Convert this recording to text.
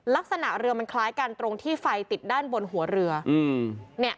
ลักษณะเรือมันคล้ายกันตรงที่ไฟติดด้านบนหัวเรือ